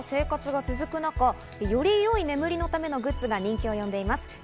続いてコロナ禍の生活が続く中、よりよい眠りのためのグッズが人気を呼んでいます。